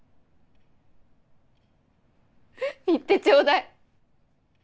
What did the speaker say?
言ってちょうだい。